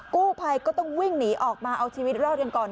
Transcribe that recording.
กู้ภัยก็ต้องวิ่งหนีออกมาเอาชีวิตรอดกันก่อน